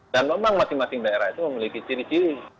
dan memang masing masing daerah itu memiliki ciri ciri